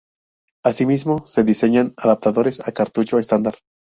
Asimismo, se diseñan adaptadores a cartucho estándar.